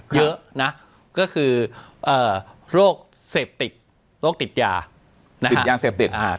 เยอะนะก็คือโรคเสพติดโรคติดยาติดยาเสพติด